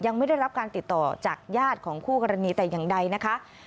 ยังไม่ได้รับการติดต่อจากญาติของคู่กรณีแต่อย่างใดนะคะ